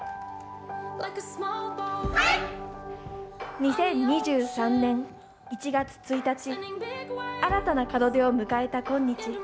２０２３年１月１日新たな門出を迎えた今日。